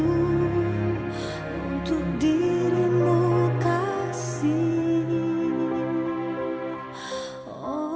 untuk dirimu kasih